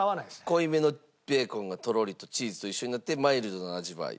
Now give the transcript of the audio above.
濃いめのベーコンがとろりとチーズと一緒になってマイルドな味わい。